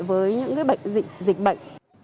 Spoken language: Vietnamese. với những dịch bệnh